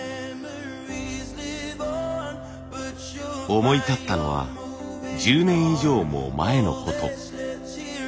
思い立ったのは１０年以上も前のこと。